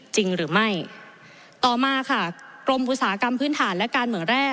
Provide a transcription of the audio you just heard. จริงหรือไม่ต่อมาค่ะกรมอุตสาหกรรมพื้นฐานและการเมืองแร่